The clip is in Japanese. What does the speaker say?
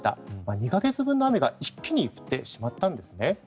２か月分の雨が一気に降ってしまったんですね。